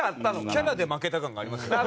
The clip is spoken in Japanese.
キャラで負けた感がありますよね